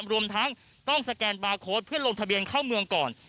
รวมทั้งต้องสแกนบาร์โค้ดเพื่อลงทะเบียนเข้าเมืองก่อน